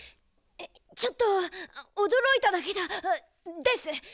ちょっとおどろいただけだです。